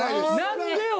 何でよ。